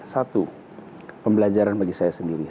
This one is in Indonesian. satu pembelajaran bagi saya sendiri